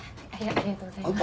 ありがとうございます。